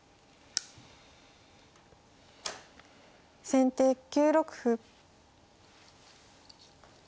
先手９六歩。